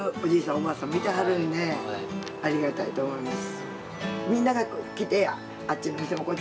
おばあさんもいてはるんでありがたいと思います。